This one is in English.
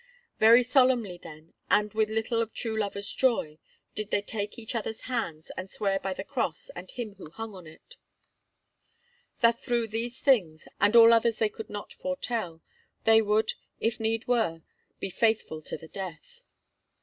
Very solemnly then, and with little of true lovers' joy, did they take each other's hands and swear by the Cross and Him Who hung on it, that through these things, and all others they could not foretell, they would, if need were, be faithful to the death.